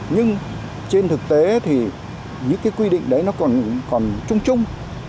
nhưng trên thực tế thì những cái quy định đấy nó còn trung trung